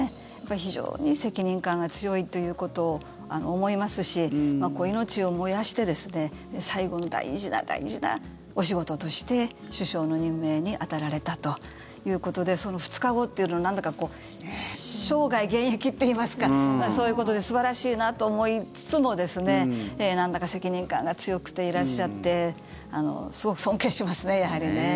非常に責任感が強いということを思いますし命を燃やして最後の大事な大事なお仕事として首相の任命に当たられたということでその２日後というのはなんだか、生涯現役といいますかそういうことで素晴らしいなと思いつつもなんだか責任感が強くていらっしゃってすごく尊敬しますね、やはりね。